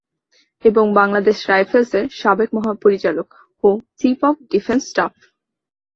এবং বাংলাদেশ রাইফেলসের সাবেক মহাপরিচালক ও চিফ অব ডিফেন্স স্টাফ।